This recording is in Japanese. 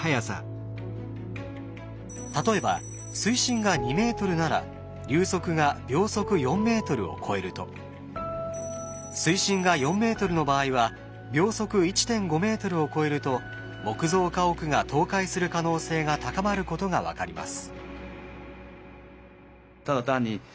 例えば水深が２ｍなら流速が秒速４ｍを超えると水深が４ｍの場合は秒速１．５ｍを超えると木造家屋が倒壊する可能性が高まることが分かります。